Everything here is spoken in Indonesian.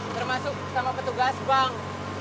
termasuk sama petugas bang